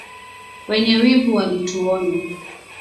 Wenye wivu walituonya